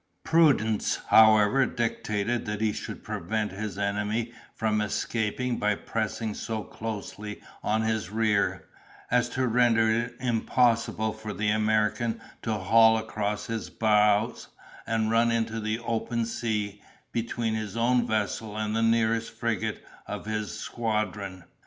Prudence, however, dictated that he should prevent his enemy from escaping by pressing so closely on his rear, as to render it impossible for the American to haul across his bows and run into the open sea between his own vessel and the nearest frigate of his squadron.